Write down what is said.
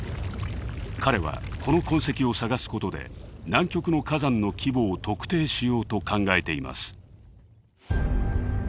彼はこの痕跡を探すことで南極の火山の規模を特定しようと考えています。